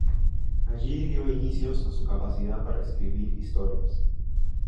Allí dio inicios a su capacidad para escribir historias.